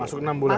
masuk enam bulan